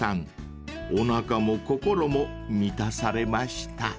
［おなかも心も満たされました］